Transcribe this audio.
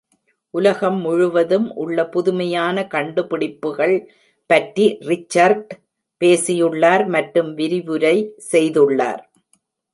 உலகம் முழுவதும் உள்ள புதுமையான கண்டுபிடிப்புகள் பற்றி ரிச்சர்ட் பேசியுள்ளார் மற்றும் விரிவுரை செய்துள்ளார்.